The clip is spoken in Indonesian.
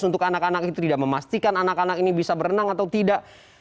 untuk anak anak itu tidak memastikan anak anak ini bisa berenang atau tidak